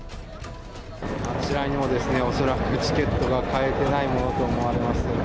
あちらにも、おそらくチケットが買えてないものと思われます。